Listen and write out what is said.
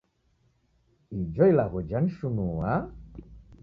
Ijo ilagho janishunua